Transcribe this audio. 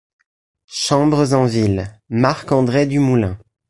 Chambres en ville: Marc-André Dumoulin.